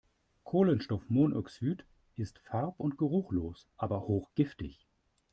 Kohlenstoffmonoxid ist farb- und geruchlos, aber hochgiftig.